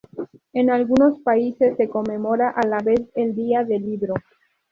En algunos países se conmemora a la vez el Día del Libro.